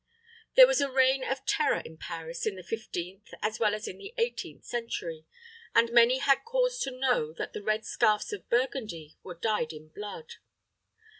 There was a reign of terror in Paris in the fifteenth as well as in the eighteenth century, and many had cause to know that the red scarfs of Burgundy were dyed in blood.